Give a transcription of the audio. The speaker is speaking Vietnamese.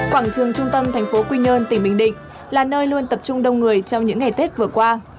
quảng trường trung tâm thành phố quy nhơn tỉnh bình định là nơi luôn tập trung đông người trong những ngày tết vừa qua